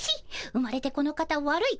生まれてこの方わるい